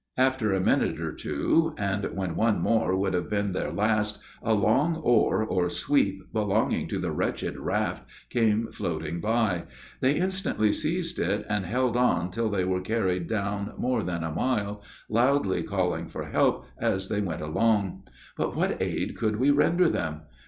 After a minute or two, and when one more would have been their last, a long oar or sweep, belonging to the wretched raft, came floating by. They instantly seized it, and held on till they were carried down more than a mile, loudly calling for help as they went along; but what aid could we render them?